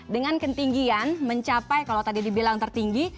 dengan ketinggian mencapai kalau tadi dibilang tertinggi